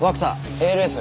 ＡＬＳ。